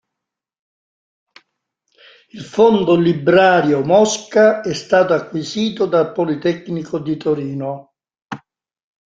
Il fondo librario Mosca è stato acquisito dal Politecnico di Torino.